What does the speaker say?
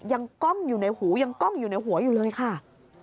กล้องอยู่ในหูยังกล้องอยู่ในหัวอยู่เลยค่ะ